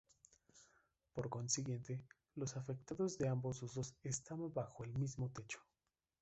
Por consiguiente, los artefactos de ambos usos estaban bajo el mismo techo.